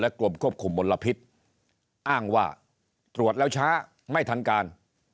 กรมควบคุมมลพิษอ้างว่าตรวจแล้วช้าไม่ทันการ